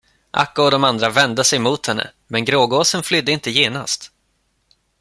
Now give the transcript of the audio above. Akka och de andra vände sig mot henne, men grågåsen flydde inte genast.